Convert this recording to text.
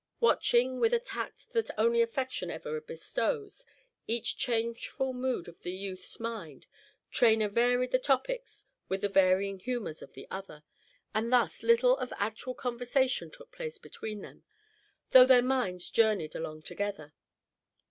Watching, with a tact that only affection ever bestows, each changeful mood of the youth's mind, Traynor varied the topics with the varying humors of the other, and thus little of actual conversation took place between them, though their minds journeyed along together.